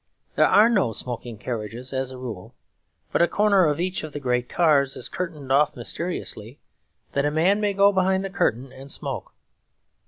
There are no smoking carriages, as a rule; but a corner of each of the great cars is curtained off mysteriously, that a man may go behind the curtain and smoke.